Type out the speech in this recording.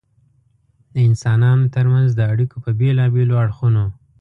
د انسانانو تر منځ د اړیکو په بېلابېلو اړخونو.